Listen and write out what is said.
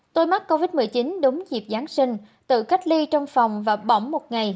tôi mắc covid một mươi chín đúng dịp giáng sinh tự cách ly trong phòng và bỏng một ngày